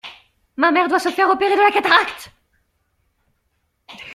Ma mère doit se faire opérer de la cataracte.